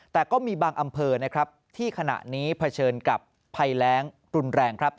แต่ก็มีบางอำเภอนะครับที่ขณะนี้เผชิญกับภัยแรงรุนแรงครับ